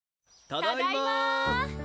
ただいま！